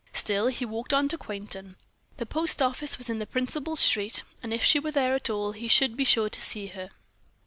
Still he walked on to Quainton. The post office was in the principal street, and if she were there at all, he should be sure to see her.